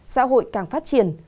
xã hội càng phát triển